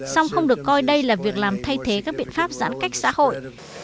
song không được coi đây là việc làm thay thế các biện pháp giãn cách xã hội